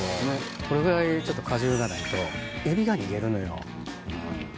これぐらい荷重がないとエビが逃げるのよ。